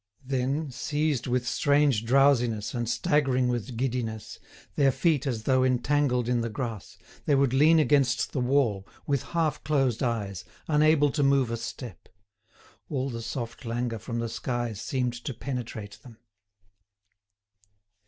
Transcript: Then, seized with strange drowsiness and staggering with giddiness, their feet as though entangled in the grass, they would lean against the wall, with half closed eyes, unable to move a step. All the soft languor from the skies seemed to penetrate them.